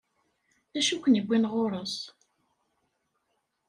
D acu i ken-iwwin ɣur-s?